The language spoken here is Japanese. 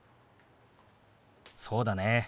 そうだね。